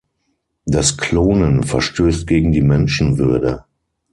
Das Klonen verstößt gegen die Menschenwürde.